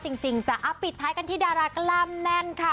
เพราะจริงจะอัพบิทไทยกันที่ดารากล้ามแน่นค่ะ